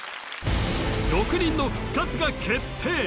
６人の復活が決定